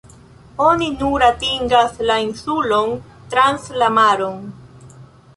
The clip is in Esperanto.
Oni nur atingas la insulon trans la maron.